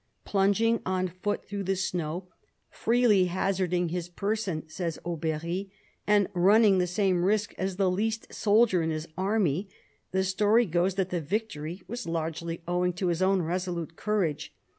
Plunging on foot through the snow, " freely hazarding his person," says Aubery, "and running the same risk as the least soldier in his army," the story goes that the victory was largely owing to his own resolute courage.